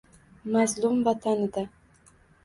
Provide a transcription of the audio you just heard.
Mazlum vatanida